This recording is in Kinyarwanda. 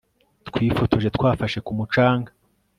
Twifotoje twafashe ku mucanga